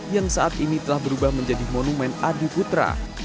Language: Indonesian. yang saat ini telah berubah menjadi monumen adu putra